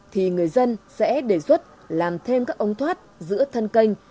thì người dân sẽ đề xuất làm thêm các ống thoát giữa thân canh